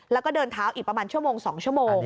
แล้วก็เดินเท้าอีกประมาณชั่วโมง๒ชั่วโมง